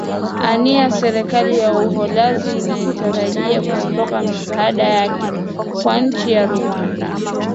ania serikali ya uholanzi inatarajia kuondoa misaada yake kwa nchi ya rwanda